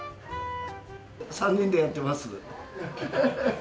３人でやってます。